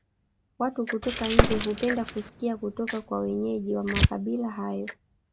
Watu kutoka nje hupenda kusikia kutoka kwa wenyeji wa makabila hayo